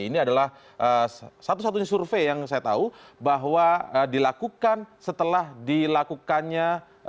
ini adalah satu satunya survei yang saya tahu bahwa dilakukan setelah dilakukannya